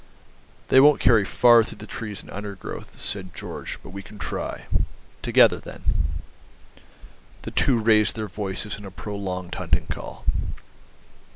"They won't carry far through the trees and undergrowth," said Georg, "but we can try. Together, then." The two raised their voices in a prolonged hunting call.